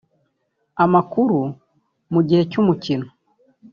amakuru mu gihe cy’umukino